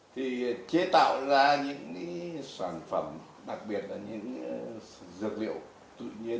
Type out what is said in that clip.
thì chế tạo ra những sản phẩm đặc biệt là những dược liệu tự nhiên